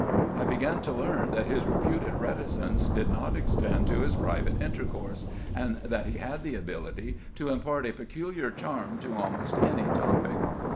I began to learn that his reputed reticence did not extend to his private intercourse, and that he had the ability to impart a peculiar charm to almost any topic.